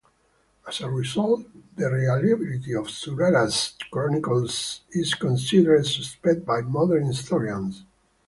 As a result, the reliability of Zurara's chronicles is considered suspect by modern historians.